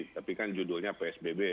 tapi kan judulnya psbb